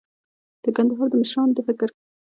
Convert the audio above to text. د کندهار د مشرانو د فکر